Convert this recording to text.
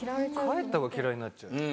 帰ったほうが嫌いになっちゃうよ。